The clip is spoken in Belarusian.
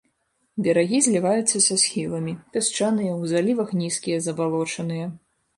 Берагі зліваюцца са схіламі, пясчаныя, у залівах нізкія, забалочаныя.